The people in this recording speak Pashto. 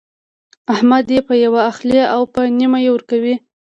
احمد يې په يوه اخلي او په نيمه يې ورکوي.